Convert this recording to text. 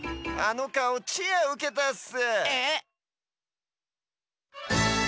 あのかおチェアウケたっす。